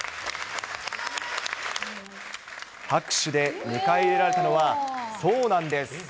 拍手で迎え入れられたのは、そうなんです。